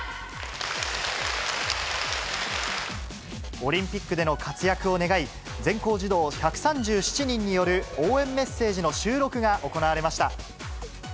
オリンピックでの活躍を願い、全校児童１３７人による応援メッセージの収録が行われました。